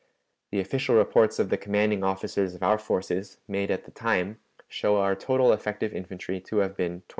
The official reports of the commanding officers of our forces, made at the time, show our total effective infantry to have been 27,255.